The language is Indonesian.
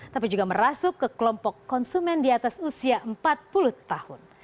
tapi juga merasuk ke kelompok konsumen di atas usia empat puluh tahun